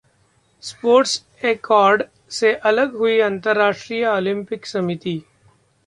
SportAccord से अलग हुई अंतरराष्ट्रीय ओलंपिक समिति